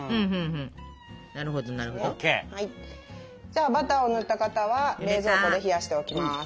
じゃあバターを塗った型は冷蔵庫で冷やしておきます。